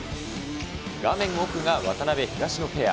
画面奥が渡辺・東野ペア。